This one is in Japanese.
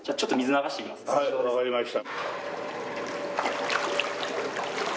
はいわかりました。